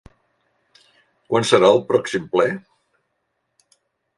Quan serà el pròxim ple?